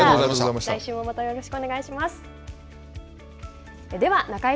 来週もまたよろしくお願いします。